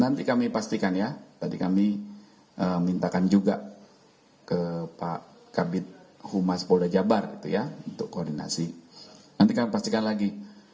nanti kami pastikan ya tadi kami mintakan juga ke pak kabit humas polda jabar gitu ya untuk koordinasi nanti kami pastikan lagi